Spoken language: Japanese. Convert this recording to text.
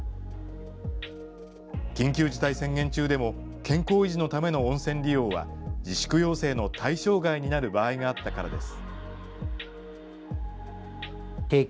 緊急事態宣言中でも、健康維持のための温泉利用は、自粛要請の対象外になる場合があったからです。